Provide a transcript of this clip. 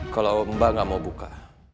kalau mbak nggak mau buka